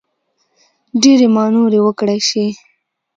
ډېرې مانورې وکړای شي.